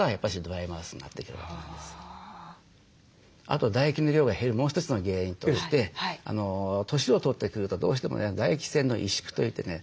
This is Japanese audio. あと唾液の量が減るもう一つの原因として年を取ってくるとどうしてもね唾液腺の萎縮といってね